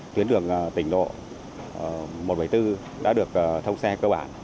tuyến đường tỉnh lộ một trăm bảy mươi bốn đã được thông xe cơ bản